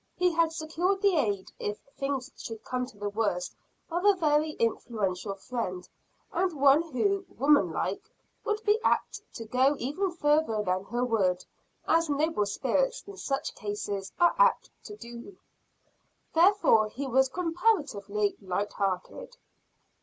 He had secured the aid, if things should come to the worst of a very influential friend and one who, woman like, would be apt to go even farther than her word, as noble spirits in such cases are apt to do. Therefore he was comparatively light hearted.